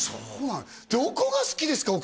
どこが好きですか？